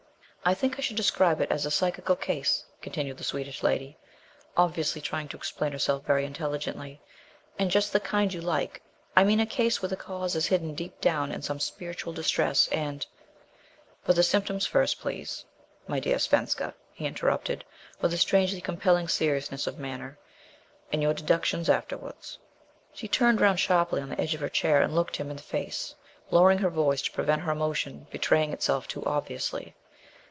"I think I should describe it as a psychical case," continued the Swedish lady, obviously trying to explain herself very intelligently, "and just the kind you like. I mean a case where the cause is hidden deep down in some spiritual distress, and " "But the symptoms first, please, my dear Svenska," he interrupted, with a strangely compelling seriousness of manner, "and your deductions afterwards." She turned round sharply on the edge of her chair and looked him in the face, lowering her voice to prevent her emotion betraying itself too obviously.